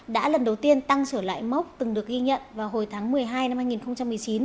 đã lần đầu tiên tăng trở lại mốc từng được ghi nhận vào hồi tháng một mươi hai năm hai nghìn một mươi chín